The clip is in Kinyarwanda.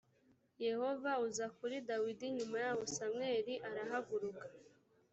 yehova uza kuri dawidi nyuma yaho samweli arahaguruka